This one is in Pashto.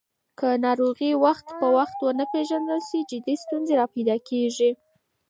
که ناروغي وخت په وخت ونه پیژندل شي، جدي ستونزې راپیدا کېږي.